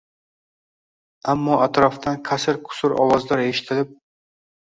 ammo atrofdan qasir-qusur ovozlar eshitilib